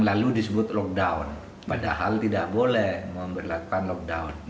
lalu disebut lockdown padahal tidak boleh memperlakukan lockdown